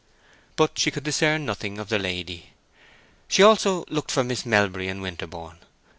But she could discern nothing of the lady. She also looked for Miss Melbury and Winterborne.